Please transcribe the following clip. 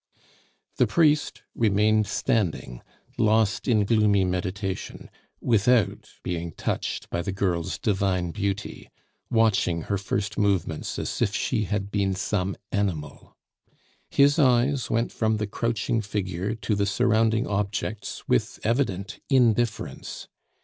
The priest remained standing, lost in gloomy meditation, without being touched by the girl's divine beauty, watching her first movements as if she had been some animal. His eyes went from the crouching figure to the surrounding objects with evident indifference.